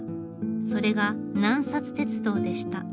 それが南鉄道でした。